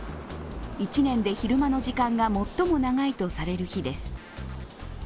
１年で昼間の時間が最も長いとされる日です。